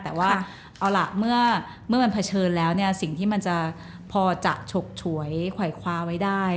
แต่ว่าเอาล่ะเมื่อมันเผชิญแล้วเนี่ยสิ่งที่มันจะพอจะฉกฉวยไขวคว้าไว้ได้